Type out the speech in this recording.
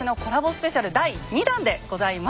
スペシャル第２弾でございます。